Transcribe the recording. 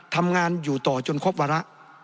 ทำงานอยู่ต่อจนครบวาระ